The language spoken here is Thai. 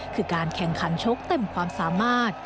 คือการแข่งขันชกเต็มความสามารถ